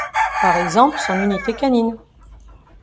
Par exemple, son unité canine.